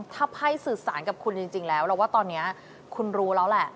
ถ้าไพ่สื่อสารกับคุณจริงแล้วเราว่าตอนนี้คุณรู้แล้วแหละ